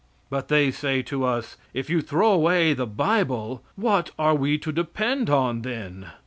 But they say to us, "If you throw away the Bible what are we to depend on then?"